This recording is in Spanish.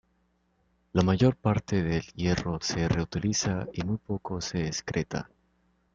La mayor parte del hierro se reutiliza y muy poco se excreta.